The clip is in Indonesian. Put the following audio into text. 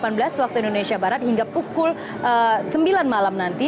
pukul delapan belas waktu indonesia barat hingga pukul sembilan malam nanti